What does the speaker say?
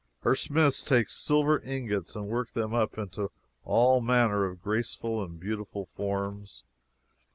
Her smiths take silver ingots and work them up into all manner of graceful and beautiful forms.